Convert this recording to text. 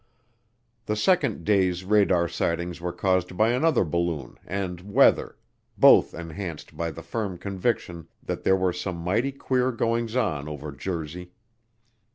The second day's radar sightings were caused by another balloon and weather both enhanced by the firm conviction that there were some mighty queer goings on over Jersey.